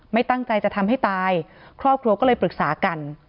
ไม่ตั้งใจจะทำให้ตายครอบครัวก็เลยปรึกษากัน